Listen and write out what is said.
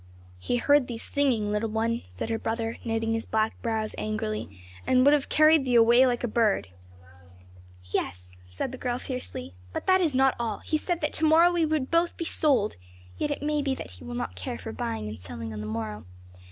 "He heard thee singing, little one," said her brother, knitting his black brows angrily, "and would have carried thee away like a bird." "Yes," said the girl fiercely. "But that is not all, he said that to morrow we should both be sold; yet it may be that he will not care for buying and selling on the morrow.